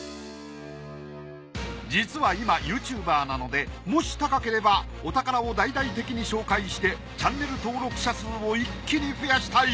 実は今ＹｏｕＴｕｂｅｒなのでもし高ければお宝を大々的に紹介してチャンネル登録者数を一気に増やしたい。